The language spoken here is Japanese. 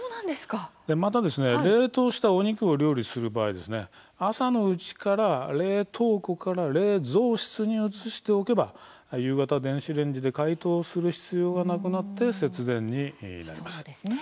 また冷凍したお肉を料理する場合朝のうちから冷凍庫から冷蔵室に移しておけば夕方、電子レンジで解凍する必要がなくなって節電になります。